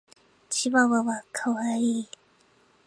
チワワは可愛い。